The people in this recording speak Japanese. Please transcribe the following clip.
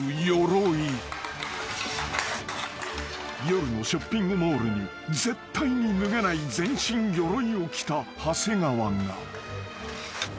［夜のショッピングモールに絶対に脱げない全身よろいを着た長谷川が］